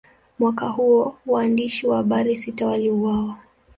Mwaka huo, waandishi wa habari sita waliuawa.